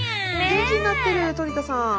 元気になってるトリ田さん。